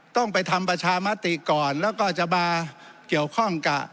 ต้องไปทำประชามติก่อนแล้วก็จะมาเกี่ยวข้องกับ